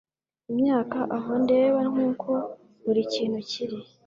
imyaka aho ndeba nkuko buri kintu kiri